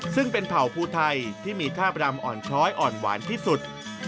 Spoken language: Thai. ซึ่งเป็นเผ่าภูไทยที่มีคาบรำอ่อนช้อยอ่อนหวานที่สุด